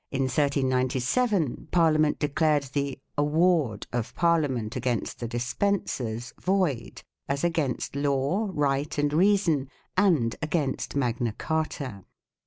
7 In 1397 Parliament declared the "award" of Parlia ment against the Despencers void>as against law, right, and reason, and against Magna Carta.